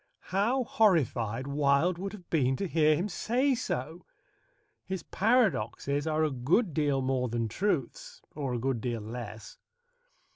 How horrified Wilde would have been to hear him say so! His paradoxes are a good deal more than truths or a good deal less.